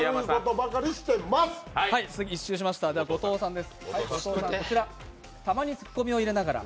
１周しました、後藤さんです。